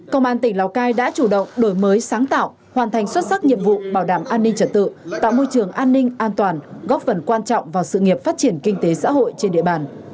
công an tỉnh lào cai đã chủ động đổi mới sáng tạo hoàn thành xuất sắc nhiệm vụ bảo đảm an ninh trật tự tạo môi trường an ninh an toàn góp phần quan trọng vào sự nghiệp phát triển kinh tế xã hội trên địa bàn